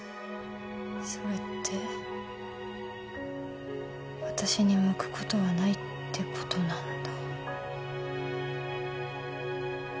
それって私に向くことはないってことなんだ